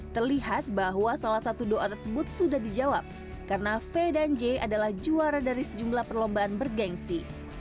terlihat bahwa salah satu doa tersebut sudah dijawab karena v dan j adalah juara dari sejumlah perlombaan bergensi